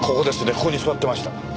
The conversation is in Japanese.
ここに座ってました。